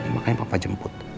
makanya papa jemput